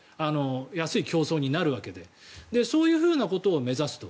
安い競争になるわけでそういうことを目指すと。